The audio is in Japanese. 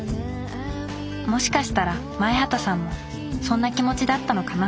もしかしたら前畑さんもそんな気持ちだったのかな